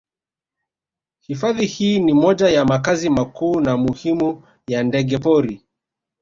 Hifadhi hii ni moja ya makazi makuu na muhimu ya ndege pori